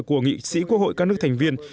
của nghị sĩ quốc hội các nước thành viên